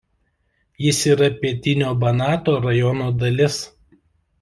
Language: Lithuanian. Jis yra pietinio Banato rajono dalis.